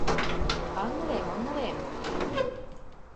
— Ыҥлем, ыҥлем...